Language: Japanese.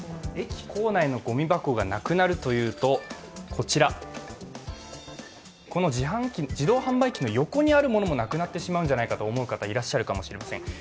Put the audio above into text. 駅構内のごみ箱がなくなるというと、こちら、自動販売機の横にあるものもなくなってしまうんじゃないかと思う方もいらっしゃるかもしれません。